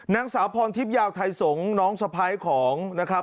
นางสาวพรทิพยาวไทยสงศ์น้องสะพ้ายของนะครับ